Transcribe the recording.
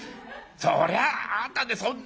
そりゃああんたねそんな。